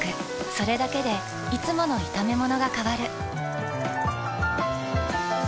それだけでいつもの炒めものが変わる。